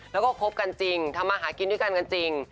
แล้วก็คบกันจริงทำมาหากินด้วยกันกันจริง